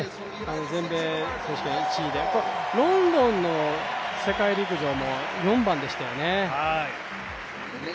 全米選手権１位でロンドンの世界陸上も４番でしたよね。